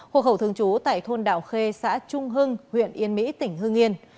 hộ khẩu thường trú tại thôn đạo khê xã trung hưng huyện yên mỹ tỉnh hương yên